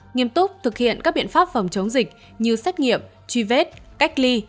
nghiêm túc thực hiện các biện pháp phòng chống dịch như xét nghiệm truy vết cách ly